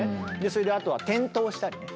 それであとは転倒したりね。